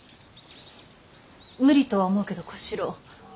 無理とは思うけど小四郎。